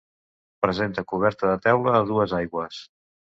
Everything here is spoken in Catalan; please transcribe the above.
Presenta coberta de teula a dues aigües.